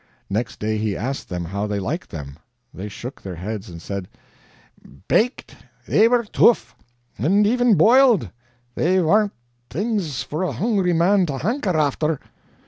Next day he asked them how they liked them. They shook their heads and said: "Baked, they were tough; and even boiled, they warn't things for a hungry man to hanker after."